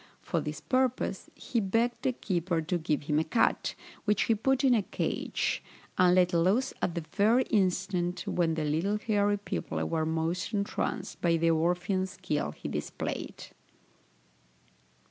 For this purpose he begged the keeper to give him a cat, which he put in a cage, and let loose at the very instant when the little hairy people were most entranced by the Orphean skill he displayed.